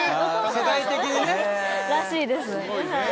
世代的にね。らしいですはい。